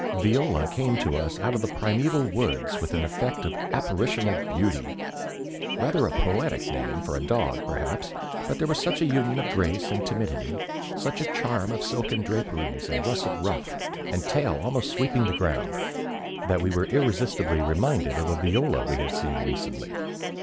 Viola came to us out of the primeval woods with an effect of apparitional beauty. Rather a poetic name for a dog, perhaps; but there was such a union of grace and timidity, such a charm of silken draperies and russet ruff and tail almost sweeping the ground, that we were irresistibly reminded of a Viola we had seen recently.